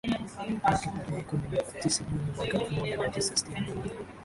wake tarehe kumi na tisa Juni mwaka elfu moja Mia Tisa sitini na moja